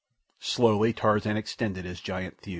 Slowly Tarzan extended his giant thews.